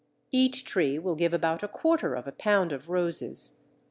Each tree will give about a quarter of a pound of roses.